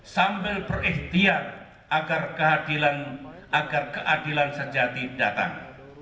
sambil berikhtiar agar keadilan sejati datang